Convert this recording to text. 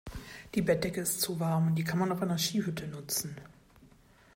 Die Bettdecke ist zu warm. Die kann man auf einer Skihütte nutzen.